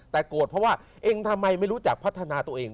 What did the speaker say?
แต่โกรธเพราะว่าเองทำไมไม่รู้จักพัฒนาตัวเอง